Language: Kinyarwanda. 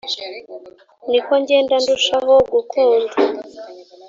Ni ko ngenda ndushaho gukunda